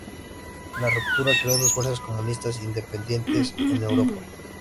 La ruptura creó dos fuerzas comunistas independientes en Europa.